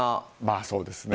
そうですね。